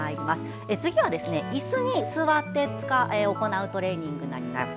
次はいすに座って行うトレーニングです。